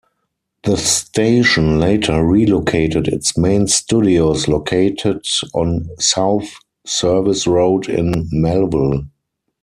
The station later relocated its main studios located on South Service Road in Melville.